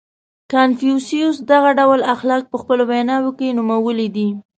• کنفوسیوس دغه ډول اخلاق په خپلو ویناوو کې نومولي دي.